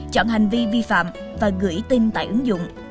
chọn hành vi vi phạm và gửi tin tại ứng dụng